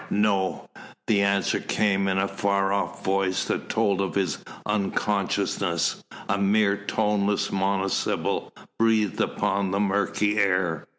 "No." The answer came in the far off voice that told of his unconsciousness, a mere toneless monosyllable breathed upon the murky air.